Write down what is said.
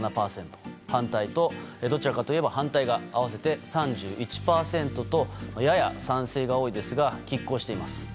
反対と、どちらかといえば反対が３１％とやや賛成が多いですが拮抗しています。